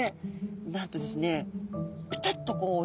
なんとですね